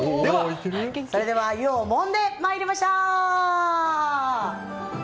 それでは湯をもんで参りましょう！